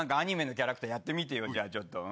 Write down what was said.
なんか、アニメのキャラクターやってみてよ、じゃあちょっと。